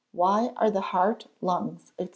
_Why are the heart, lungs, &c.